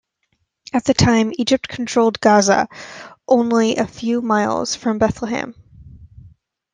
At the time Egypt controlled Gaza, only a few miles from Bethlehem.